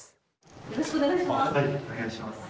よろしくお願いします。